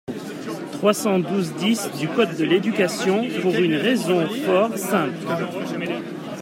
trois cent douze-dix du code de l’éducation, pour une raison fort simple.